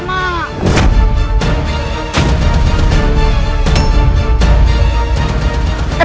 tidak ada yang bisa dikira